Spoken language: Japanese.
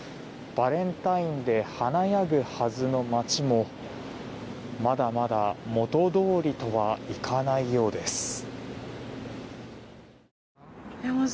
バレンタインで華やぐはずの街もまだまだ元通りとはいかないようです。